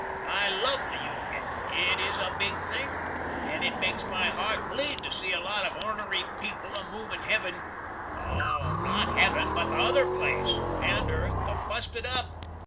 I luv the Union it is a Big thing and it makes my hart bleed to see a lot of ornery peple a movin heaven no, not heaven, but the other place and earth, to bust it up.